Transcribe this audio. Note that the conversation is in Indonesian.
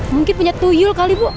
mungkin punya tuyul kali bu